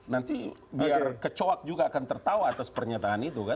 nanti biar kecoak juga akan tertawa atas pernyataan itu kan